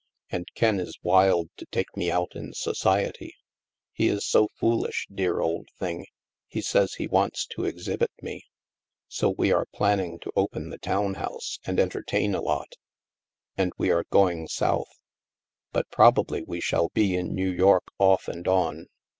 And Ken is wild to take me out in society. He is so foolish, dear old thing, he says he wants to exhibit me. So we are planning to open the town house and entertain a lot. And we are going South. But probably we shall be in New York off and on."